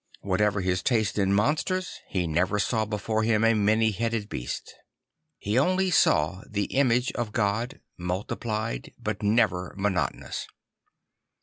Whatever his taste in monsters, he never saw before him a many headed beast. He only saw the image of God multiplied but never monotonous.